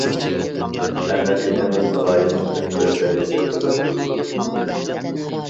ئەمەلىيىتىڭىز غايىڭىزدىن بىر دەرىجە تۆۋەن تۇرىدۇ.